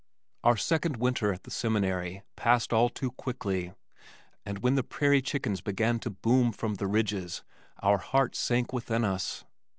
Our second winter at the Seminary passed all too quickly, and when the prairie chickens began to boom from the ridges our hearts sank within us.